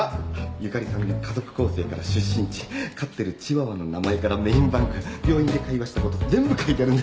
ゆかりさんの家族構成から出身地飼ってるチワワの名前からメーンバンク病院で会話したこと全部書いてあるんだ。